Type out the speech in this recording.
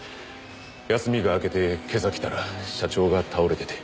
休みが明けて今朝来たら社長が倒れてて。